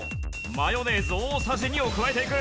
マヨネーズ大さじ２を加えていく